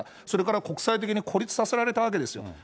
それから国際的に孤立させられたわけですよ。